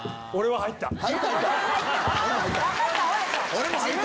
俺も入った。